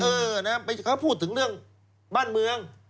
เออนะเขาพูดถึงเรื่องบ้านเมือง